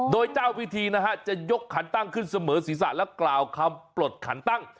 โดยเจ้าพิธีนะฮะจะยกขันตั้งขึ้นเสมอศีรษะและกล่าวคำปลดขันตั้ง